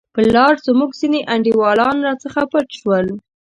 پر لار زموږ ځیني انډیوالان راڅخه پټ شول.